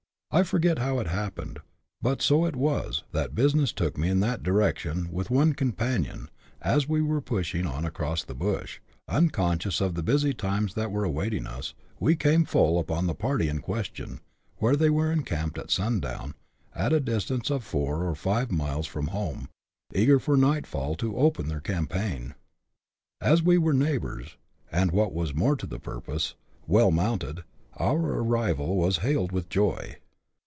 I forget how it happened, but so it was, that business took me in that direction with one companion, and as we were pushing on across the bush, unconscious of the busy times that were awaiting us, we came full upon the party in question, where they were encamped at sundown, at a distance of four or five miles from home, eager for night^ill to open their campaign. As we were neighbours, and, what was more to the purpose, well mounted, our arrival was hailed with joy.